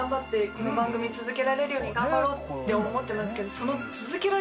この番組続けられるように頑張ろうって思ってますけど。